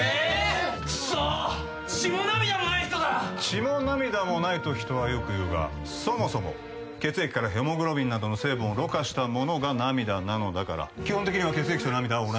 「血も涙もない」と人はよく言うがそもそも血液からヘモグロビンなどの成分をろ過したものが涙なのだから基本的には血液と涙は同じものだ。